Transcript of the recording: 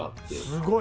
すごい！